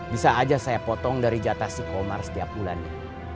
bisa aja saya potong dari jatah si komar setiap bulannya